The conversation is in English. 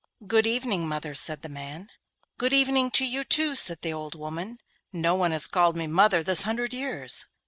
'Good evening, mother,' said the man. 'Good evening to you too,' said the old woman. 'No one has called me mother this hundred years.